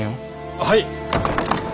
はい！